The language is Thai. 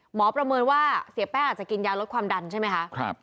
ประเมินว่าเสียแป้งอาจจะกินยาลดความดันใช่ไหมคะ